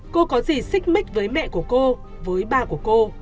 cô có gì xích mích với mẹ của cô với ba của cô